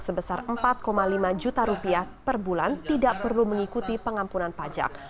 sebesar empat lima juta rupiah per bulan tidak perlu mengikuti pengampunan pajak